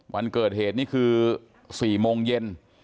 วันเกิดเหตุนี่คือ๔โมงเย็น